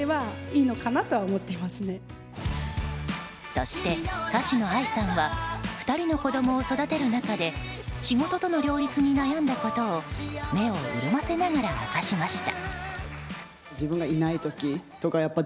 そして、歌手のＡＩさんは２人の子供を育てる中で仕事との両立に悩んだことを目を潤ませながら明かしました。